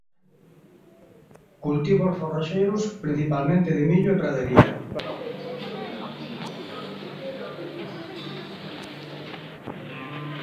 Cultivos forraxeiros, principalmente de millo e pradería.